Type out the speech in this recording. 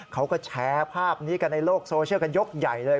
เขาก็แชร์ภาพนี้กันในโลกโซเชียลกันยกใหญ่เลย